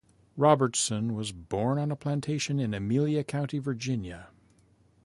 Robertson was born on a plantation in Amelia County, Virginia.